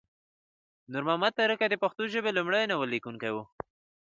نور محمد ترکی د پښتو ژبې لمړی ناول لیکونکی وه